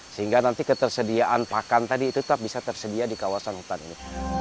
sehingga nanti ketersediaan pakan tadi itu tetap bisa tersedia di kawasan hutan ini